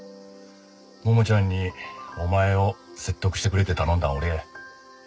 桃ちゃんにお前を説得してくれって頼んだんは俺や。